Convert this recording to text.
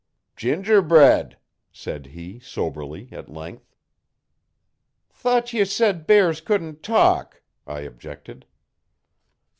'Gingerbread,' said he, soberly, at length. 'Thought ye said bears couldn't talk,' I objected.